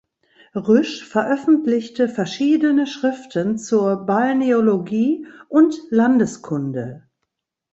Rüsch veröffentlichte verschiedene Schriften zur Balneologie und Landeskunde.